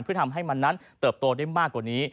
เพื่อทำให้มันนั้นเติบโตได้มากกว่านี้